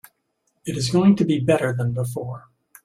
It is going to be better than before.